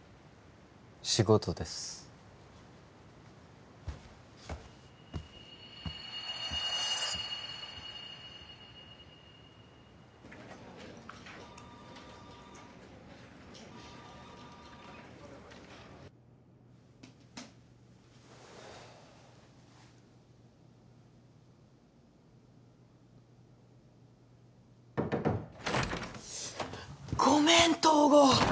仕事ですごめん東郷